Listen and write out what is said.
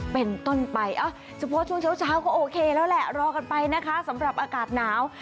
เป็นต้นไปเฉพาะช่วงเช้าก็โอเคแล้วแหละรอกันไปนะคะสำหรับอากาศหนาว